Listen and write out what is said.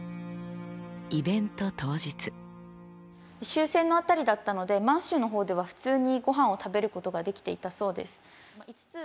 終戦の辺りだったので満州の方では普通にごはんを食べることができていたそうです。